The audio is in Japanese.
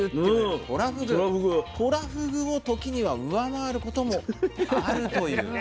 とらふぐを時には上回ることもあるという。